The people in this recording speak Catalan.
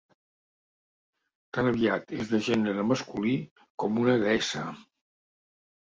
Tan aviat és de gènere masculí com una deessa.